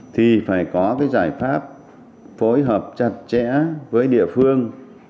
thì phải có cái giải pháp phối hợp chặt chẽ với địa phương